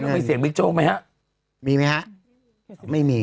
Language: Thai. เป็นนี่มีเสียงบิ๊กโจ้ไหมฮะมีไหมฮะไม่มี